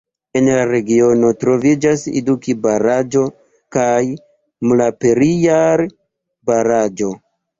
En la regiono troviĝas Iduki-Baraĵo kaj Mulaperijar-Baraĵo.